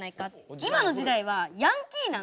今の時代はヤンキーなんですよ。